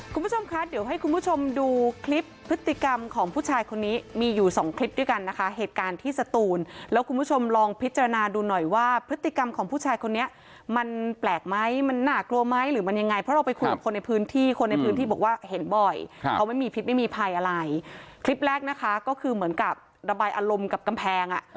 คุณผู้ชมคะเดี๋ยวให้คุณผู้ชมดูคลิปพฤติกรรมของผู้ชายคนนี้มีอยู่สองคลิปด้วยกันนะคะเหตุการณ์ที่สตูนแล้วคุณผู้ชมลองพิจารณาดูหน่อยว่าพฤติกรรมของผู้ชายคนนี้มันแปลกไหมมันน่ากลัวไหมหรือมันยังไงเพราะเราไปคุยกับคนในพื้นที่คนในพื้นที่บอกว่าเห็นบ่อยเขาไม่มีพิษไม่มีภัยอะไรคลิปแรกนะคะก็คือเหมือนกับระบายอารมณ์กับกำแพงอ่ะ